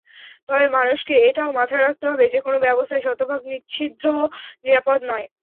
তবে মানুষকে এটাও মাথায় রাখতে হবে, যেকোনো ব্যবস্থাই শতভাগ নিশ্ছিদ্র নিরাপদ নয়।